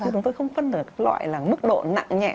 chúng ta không phân loại là mức độ nặng nhẹ